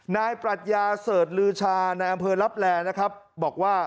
นายปรัชญาเสิร์ฟลือชาในอำเภอรับแรบอกว่า